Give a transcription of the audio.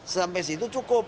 sampai situ cukup